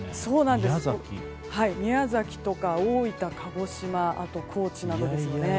宮崎とか大分、鹿児島あと高知などですね。